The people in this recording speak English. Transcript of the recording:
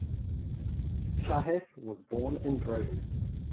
Chajes was born in Brody.